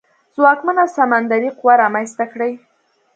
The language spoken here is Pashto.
ځواکمنه سمندري قوه رامنځته کړي.